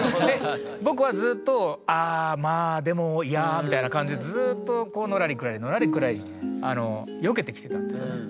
僕はずっとああまあでもいやみたいな感じでずっとのらりくらりのらりくらりよけてきてたんですね。